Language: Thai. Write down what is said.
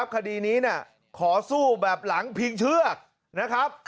ขดีนี้ขอสู้แบบหลังผิงเชือก